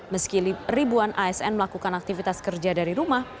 meski ribuan asn melakukan aktivitas kerja dari rumah